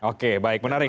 oke baik menarik